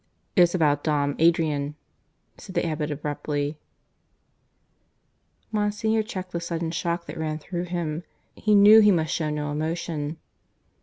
"It's about Dom Adrian," said the abbot abruptly. Monsignor checked the sudden shock that ran through him. He knew he must show no emotion.